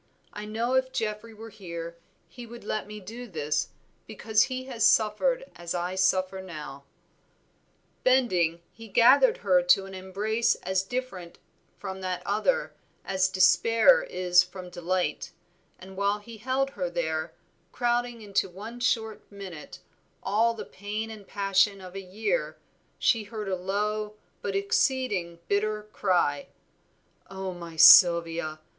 I know if Geoffrey were here, he would let me do this, because he has suffered as I suffer now." Bending, he gathered her to an embrace as different from that other as despair is from delight, and while he held her there, crowding into one short minute, all the pain and passion of a year, she heard a low, but exceeding bitter cry "Oh, my Sylvia!